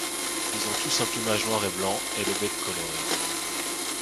Ils ont tous un plumage noir et blanc et le bec coloré.